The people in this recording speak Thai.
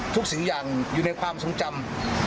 สิ่งอย่างอยู่ในความทรงจำ